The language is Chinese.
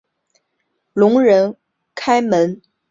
聋人开门取得芒果。